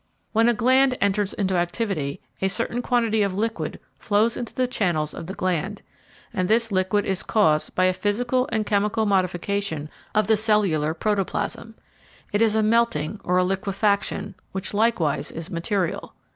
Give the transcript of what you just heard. When a gland enters into activity, a certain quantity of liquid flows into the channels of the gland, and this liquid is caused by a physical and chemical modification of the cellular protoplasm; it is a melting, or a liquefaction, which likewise is material.